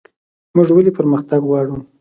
موږ ولې پرمختګ غواړو؟